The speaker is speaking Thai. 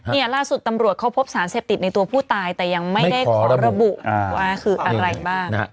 เนี่ยล่าสุดตำรวจเขาพบสารเสพติดในตัวผู้ตายแต่ยังไม่ได้ขอระบุว่าคืออะไรบ้าง